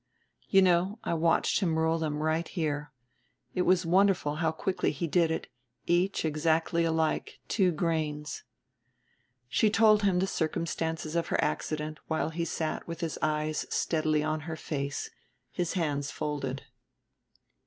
You know, I watched him roll them right here; it was wonderful how quickly he did it, each exactly alike, two grains." She told him the circumstances of her accident while he sat with his eyes steadily on her face, his hands folded.